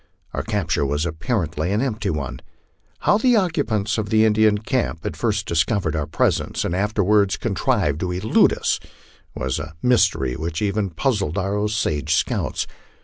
Our capture was apparently an empty one. How the occupants of the Indian camp had first discovered our presence and afterwards contrived to elude us was a mystery which even puzzled our Osage scouts.